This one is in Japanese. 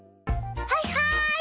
はいはい！